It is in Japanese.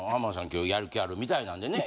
今日やる気あるみたいなんでね。